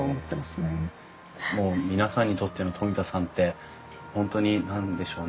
もう皆さんにとっての冨田さんって本当に何でしょうね